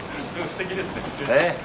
すてきですね。